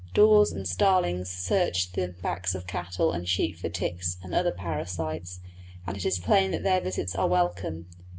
Daws and starlings search the backs of cattle and sheep for ticks and other parasites, and it is plain that their visits are welcome.